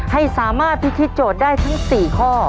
ให้สามารถพิธีโจทย์ได้ทั้ง๔ข้อ